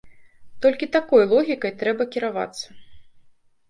Толькі такой логікай трэба кіравацца.